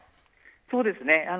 そうですね。